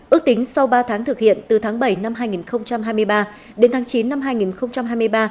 ước tính sau ba tháng thực hiện từ tháng bảy năm hai nghìn hai mươi ba đến tháng chín năm hai nghìn hai mươi ba